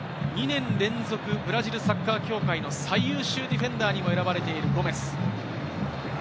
そこからは２年連続ブラジルサッカー協会の最優秀ディフェンダーにも選ばれているゴメス。